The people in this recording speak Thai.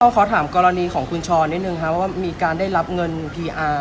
ขอถามกรณีของคุณช้อนนิดนึงครับว่ามีการได้รับเงินพีอาร์